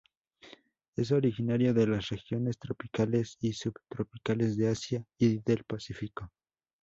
Es originario de las regiones tropicales y subtropicales de Asia y del Pacífico.